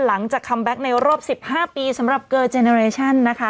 คัมแบ็คในรอบ๑๕ปีสำหรับเกอร์เจเนอเรชั่นนะคะ